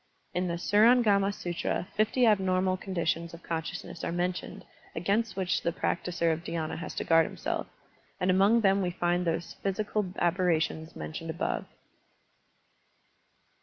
In the QUrang&ma SUtra fifty abnormal conditions of consciousness are mentioned against which the practiser of dhyAna has to guard himself, and among them we find those psychical aberrations mentioned above.